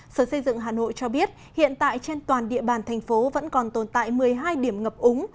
sở xây dựng hà nội cho biết hiện tại trên toàn địa bàn thành phố vẫn còn tồn tại một mươi hai điểm ngập úng